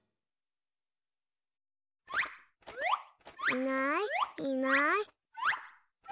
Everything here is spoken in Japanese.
いないいない。